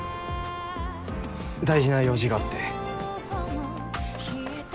大事な用事があって。